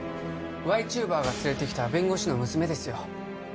Ｙチューバーが連れてきた弁護士の娘ですよ